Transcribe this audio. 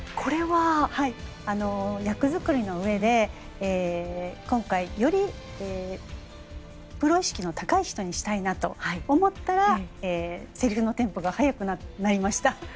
役作りのうえで今回、よりプロ意識の高い人にしたいなと思ったらセリフのテンポが速くなりました。